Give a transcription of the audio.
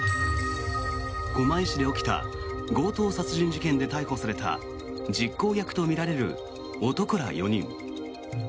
狛江市で起きた強盗殺人事件で逮捕された実行役とみられる男ら４人。